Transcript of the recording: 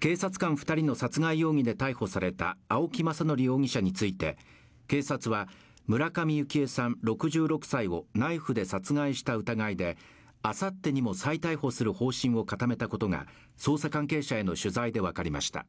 警察官２人の殺害容疑で逮捕された青木政憲容疑者について、警察は、村上幸枝さん６６歳をナイフで殺害した疑いであさってにも再逮捕する方針を固めたことが捜査関係者への取材で分かりました。